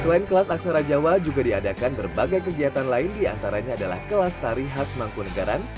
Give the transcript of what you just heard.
selain kelas aksara jawa juga diadakan berbagai kegiatan lain diantaranya adalah kelas tari khas mangkunagaran